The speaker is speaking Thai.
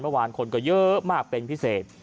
เมื่อวานคนก็เยอะมากเป็นพิเศษ